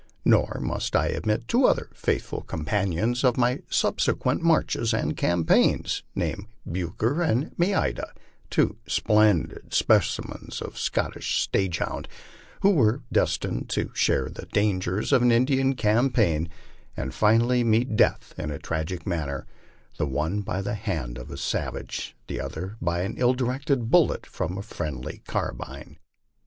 Nor must I omit two other faithful companions of my subsequent marches and campaigns, named Blucher and Maida, two splendid specimens of the Scotch staghound, who were destined to share the dangers of an Indian campaign and finally meet death in a tragic manner the one by the hand of the savage, the other by an ill directed bullet from a friendly carbine.